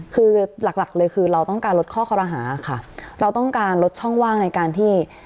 คือหลักหลักเลยคือเราต้องการลดข้อคอรหาค่ะเราต้องการลดช่องว่างในการที่